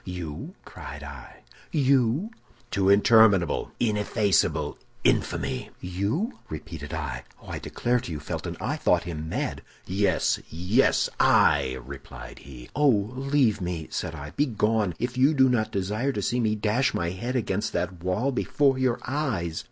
"'You?' cried I. 'You?' "'To interminable, ineffaceable infamy!' "'You?' repeated I. Oh, I declare to you, Felton, I thought him mad! "'Yes, yes, I!' replied he. "'Oh, leave me!' said I. 'Begone, if you do not desire to see me dash my head against that wall before your eyes!